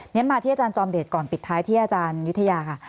มาที่อาจารย์จอมเดชก่อนปิดท้ายที่อาจารยุธยาค่ะ